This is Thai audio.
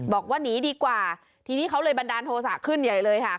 บอกว่าหนีดีกว่าทีนี้เขาเลยบันดาลโทษะขึ้นใหญ่เลยค่ะ